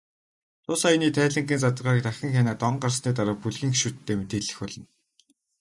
Тус аяны тайлангийн задаргааг дахин хянаад, он гарсны дараа бүлгийн гишүүддээ мэдээлэх болно.